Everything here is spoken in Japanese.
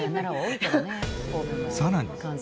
さらに。